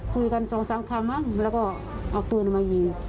คุยกันสองสามคำมั้งแล้วก็เอาปืนมายิง